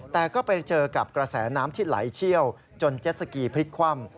แต่ก็ไปเจอกับกระแสน้ำที่ไหลเชี่ยวจนเจ็ดสกีพลิกคว่ำ